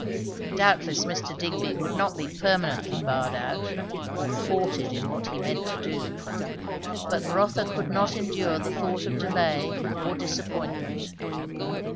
Doubtless Mr. Digby would not be permanently barred out, or thwarted in what he meant to do; but Rotha could not endure the thought of delay or disappointment.